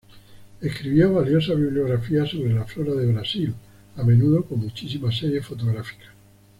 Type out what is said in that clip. Escribió valiosa bibliografía sobre la flora de Brasil, a menudo con muchísimas series fotográficas.